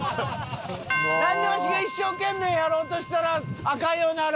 なんでわしが一生懸命やろうとしたらアカンようになる？